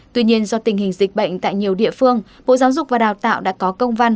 tuy nhiên do tình hình dịch bệnh tại nhiều địa phương bộ giáo dục và đào tạo đã có công văn